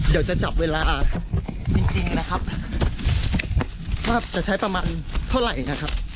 เดี๋ยวจะจับเวลาจริงนะครับว่าจะใช้ประมาณเท่าไหร่นะครับ